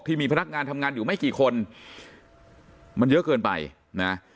ที่มีพนักงานทำงานอยู่ไม่กี่คนมันเยอะเกินไปนะ